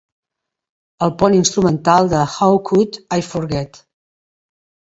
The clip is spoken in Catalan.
El pont instrumental de "How Could I Forget"?